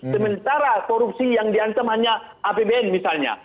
sementara korupsi yang diancam hanya apbn misalnya